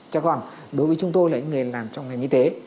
chứ còn đối với chúng tôi là những người làm trong ngành y tế